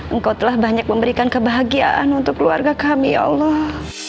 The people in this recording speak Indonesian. engkau telah banyak memberikan kebahagiaan untuk keluarga kami allah